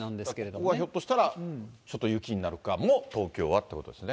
ここがひょっとしたらちょっと雪になるかも、東京はということですね。